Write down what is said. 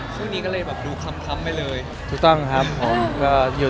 ศูนย์นี้ก็เลยดุคำไปเลยถูกต้องครับอยู่แต่กับทะเลครับ